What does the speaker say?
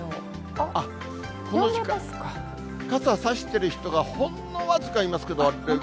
この時間、傘差している人がほんの僅かいますけど。